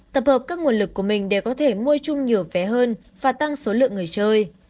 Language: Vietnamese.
tập hợp các nguồn lực của mình để có thể mua chung nhiều vé hơn và tăng số lượng người chơi